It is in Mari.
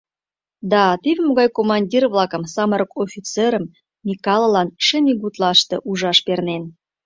Да, теве могай командир-влакым, самырык офицерым Микалылан шым ий гутлаште ужаш пернен.